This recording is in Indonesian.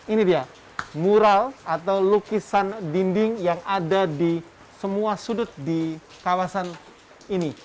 ini dia mural atau lukisan dinding yang ada di semua sudut di kawasan ini